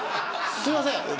すいません。